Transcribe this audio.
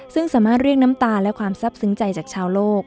ซึ่งสามารถเรียกน้ำตาและความซับซึ้งใจจากชาวโลก